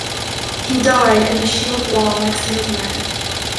He died in the shield wall next to his men.